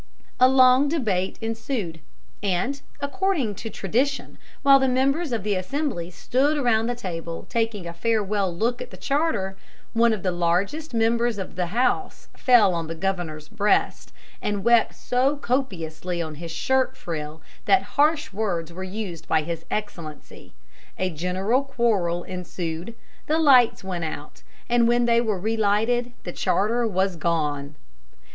A long debate ensued, and, according to tradition, while the members of the Assembly stood around the table taking a farewell look at the charter, one of the largest members of the house fell on the governor's breast and wept so copiously on his shirt frill that harsh words were used by his Excellency; a general quarrel ensued, the lights went out, and when they were relighted the charter was gone.